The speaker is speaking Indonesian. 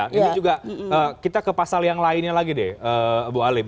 ini juga kita ke pasal yang lainnya lagi deh bu halim